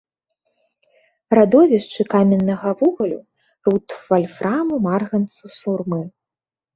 Радовішчы каменнага вугалю, руд вальфраму, марганцу, сурмы.